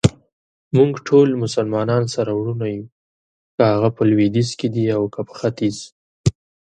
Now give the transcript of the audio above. موږټول مسلمانان سره وروڼه يو ،که هغه په لويديځ کې دي اوکه په ختیځ.